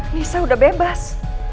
nisa udah bebas